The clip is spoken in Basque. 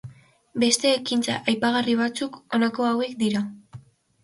Beste ekintza aipagarri batzuk honako hauek dira.